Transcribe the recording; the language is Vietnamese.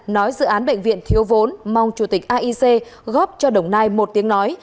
nói dự án bệnh viện thiếu vốn mong chủ tịch aic góp cho đồng nai một tiếng nói